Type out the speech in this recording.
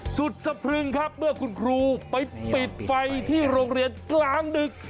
สุดสะพรึงครับเมื่อคุณครูไปปิดไฟที่โรงเรียนกลางดึก